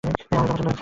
আমারও এটা পছন্দ।